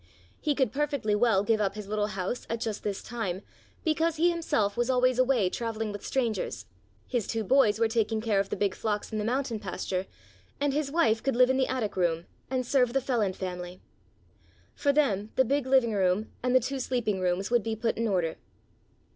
He could perfectly well give up his little house at just this time because he himself was always away traveling with strangers, his two boys were taking care of the big flocks in the mountain pasture, and his wife could live in the attic room and serve the Feland family. For them the big living room and the two sleeping rooms would be put in order.